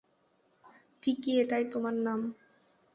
টিকি, এটাই তোমার নাম?